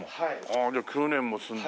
ああじゃあ９年も住んでりゃ